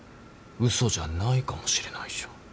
嘘じゃないかもしれないじゃん。